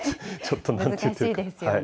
難しいですよね。